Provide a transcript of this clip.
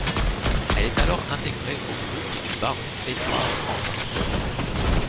Elle est alors intégrée au groupe du baron Edouard Empain.